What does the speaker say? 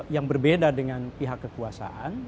yang berbeda dengan pihak kekuasaan